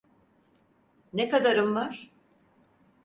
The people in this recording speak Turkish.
Ne kadarın var?